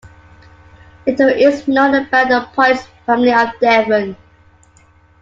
Little is known about the Pointz family of Devon.